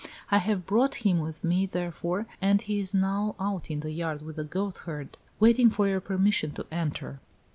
I have brought him with me, therefore, and he is now out in the yard with the goatherd, waiting for your permission to enter."